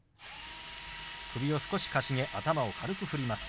首を少しかしげ頭を軽く振ります。